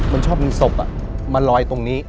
มันชอบมีศพอ่ะมันลอยตรงนี้